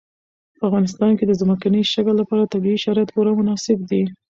په افغانستان کې د ځمکني شکل لپاره طبیعي شرایط پوره مناسب دي.